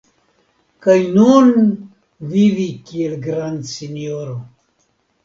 Kaj nun, vivi kiel grandsinjoro!